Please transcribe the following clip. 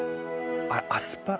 あっアスパラ？